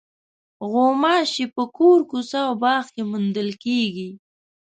غوماشې په کور، کوڅه او باغ کې موندل کېږي.